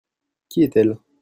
Qui est-elle ?